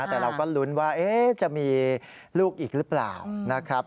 แต่เราก็ลุ้นว่าจะมีลูกอีกหรือเปล่านะครับ